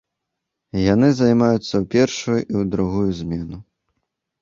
Яны займаюцца ў першую і другую змену.